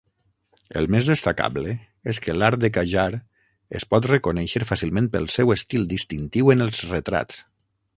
El més destacable és que l"art de Qajar es pot reconèixer fàcilment pel seu estil distintiu en els retrats.